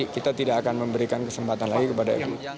kita tidak akan memberikan kesempatan lagi kepada mui